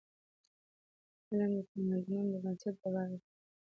علم د تمدنونو د بنسټ ډبره ده.